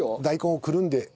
大根をくるんで。